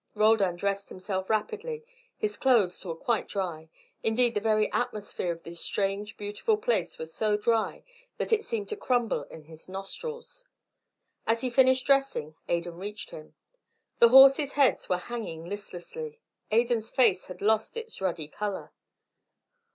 Roldan dressed himself rapidly. His clothes were quite dry; indeed the very atmosphere of this strange beautiful place was so dry that it seemed to crumble in the nostrils. As he finished dressing Adan reached him. The horses' heads were hanging listlessly. Adan's face had lost its ruddy colour.